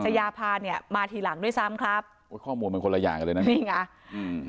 ยาพาเนี้ยมาทีหลังด้วยซ้ำครับโอ้ยข้อมูลมันคนละอย่างกันเลยนะนี่ไงอืม